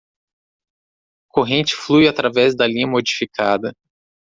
Corrente flui através da linha modificada